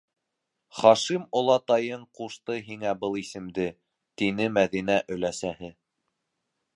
Хашим олатайың ҡушты һиңә был исемде, - тине Мәҙинә өләсәһе.